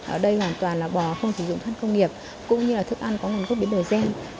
ở đây hoàn toàn là bò không sử dụng thân công nghiệp cũng như là thức ăn có nguồn gốc biến đổi gen